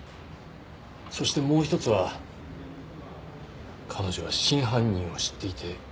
そしてもう一つは彼女は真犯人を知っていてかばっている。